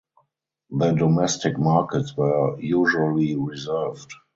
The domestic markets were usually reserved.